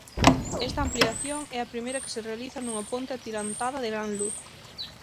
Esta ampliación é a primeira que se realiza nunha ponte atirantada de gran luz.